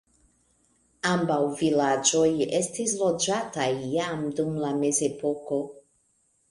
Ambaŭ vilaĝoj estis loĝataj jam dum la mezepoko.